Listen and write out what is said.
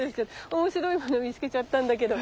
面白いもの見つけちゃったんだけど。